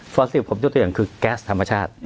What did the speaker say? ฟอสซิลชื่อต้นเงินก็คือแก๊สธรรมชาติ